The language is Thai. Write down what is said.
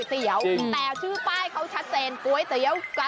ว่อยยยยยยยยยยยยยยยยย